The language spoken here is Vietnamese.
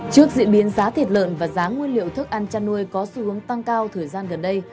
trước diễn biến giá thịt lợn và giá nguyên liệu thức ăn chăn nuôi có xu hướng tăng cao thời gian gần đây